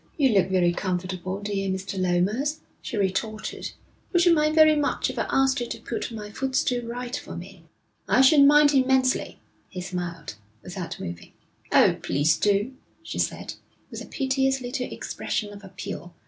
'You look very comfortable, dear Mr. Lomas,' she retorted. 'Would you mind very much if I asked you to put my footstool right for me?' 'I should mind immensely,' he smiled, without moving. 'Oh, please do,' she said, with a piteous little expression of appeal.